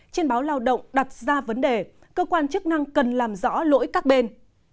trên báo lao động đặt ra vấn đề cơ quan chức năng cần làm rõ lỗi các bên